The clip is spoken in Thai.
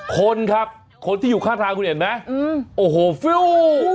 คนครับคนที่อยู่ข้างทางคุณเห็นไหมโอ้โหฟิว